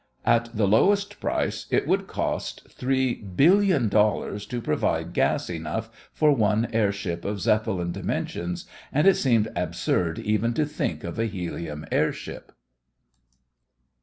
At the lowest price it would cost $3,000,000,000 to provide gas enough for one airship of Zeppelin dimensions and it seemed absurd even to think of a helium airship.